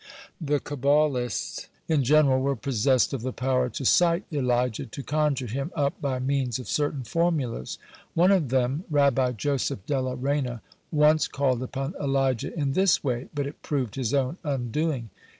(99) The Kabbalists in general were possessed of the power to cite Elijah, to conjure him up by means of certain formulas. (100) One of them, Rabbi Joseph della Reyna, once called upon Elijah in this way, but it proved his own undoing.